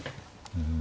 うん。